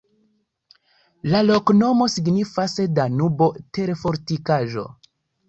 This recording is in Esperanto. La loknomo signifas: Danubo-terfortikaĵo.